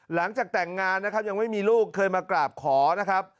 หลังจากแต่งงานนะครับยังไม่มีลูกเคยมากราบขอนะครับ